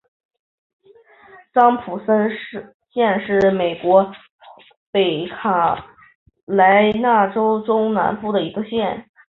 桑普森县是美国北卡罗莱纳州中南部的一个县。